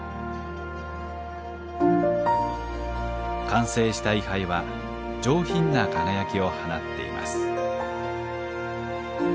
完成した位はいは上品な輝きを放っています